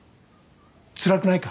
つらくないか？